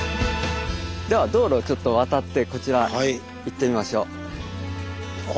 では道路をちょっと渡ってこちら行ってみましょう。